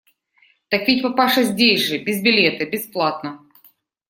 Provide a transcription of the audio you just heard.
Так ведь, папаша, здесь же без билета, бесплатно!